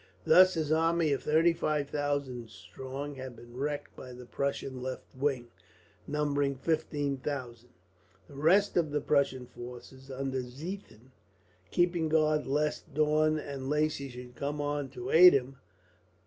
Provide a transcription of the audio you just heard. Thus his army of thirty five thousand strong had been wrecked by the Prussian left wing, numbering fifteen thousand; the rest of the Prussian forces, under Ziethen, keeping guard lest Daun and Lacy should come on to aid him.